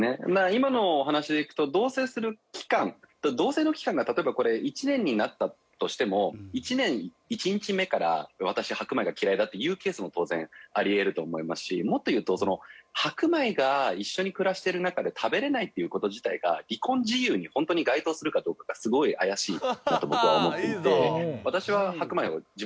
今のお話でいくと同棲する期間同棲の期間が例えばこれ１年になったとしても１年１日目から「私白米が嫌いだ」って言うケースも当然あり得ると思いますしもっと言うとその白米が一緒に暮らしてる中で食べられないっていう事自体が離婚事由に本当に該当するかどうかがすごい怪しいなと僕は思っていて。